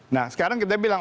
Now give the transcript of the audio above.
nah sekarang kita bilang